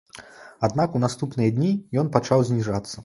Аднак у наступныя дні ён пачаў зніжацца.